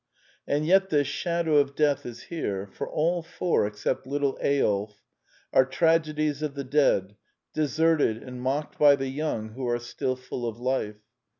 And yet the shadow of death is here ; for all four, except Little Eyolf , are tragedies of the dead, deserted and mocked by the young who are still full of life.